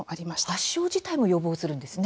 発症自体も予防するんですね。